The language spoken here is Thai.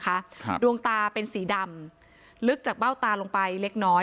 ครับดวงตาเป็นสีดำลึกจากเบ้าตาลงไปเล็กน้อย